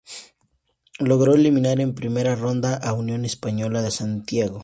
Logró eliminar en primera ronda a Unión Española de Santiago.